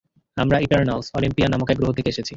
আমরা Eternals, Olympia নামক এক গ্রহ থেকে এসেছি।